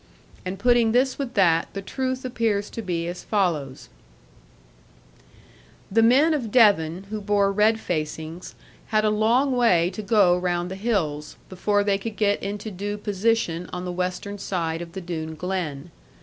And putting this with that, the truth appears to be as follows: The men of Devon, who bore red facings, had a long way to go round the hills, before they could get into due position on the western side of the Doone Glen.